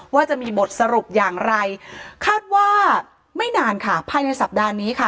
ว่าจะมีบทสรุปอย่างไรคาดว่าไม่นานค่ะภายในสัปดาห์นี้ค่ะ